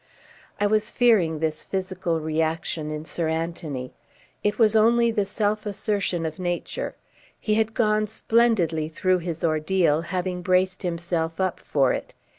I was fearing this physical reaction in Sir Anthony. It was only the self assertion of Nature. He had gone splendidly through his ordeal, having braced himself up for it.